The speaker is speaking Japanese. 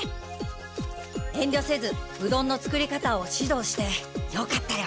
えんりょせずうどんの作り方を指導してよかったよ。